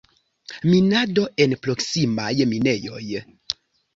Minado en proksimaj minejoj.